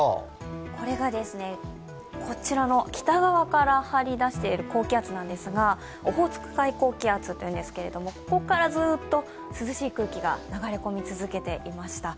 これがですね、こちらの北側から張り出している高気圧なんですがオホーツク海高気圧というんですが、ここからずっと涼しい空気が流れ込み続けていました。